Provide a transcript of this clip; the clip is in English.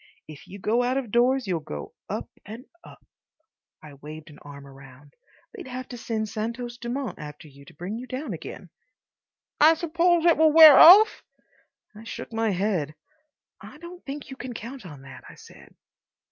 If you go out of doors, you'll go up and up." I waved an arm upward. "They'd have to send Santos Dumont after you to bring you down again." "I suppose it will wear off?" I shook my head. "I don't think you can count on that," I said.